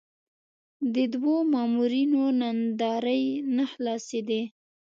د دوو مامورینو ناندرۍ نه خلاصېدې.